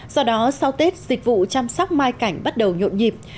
do đó sau tết dịch vụ chăm sóc mai cảnh bắt đầu nhộn nhịp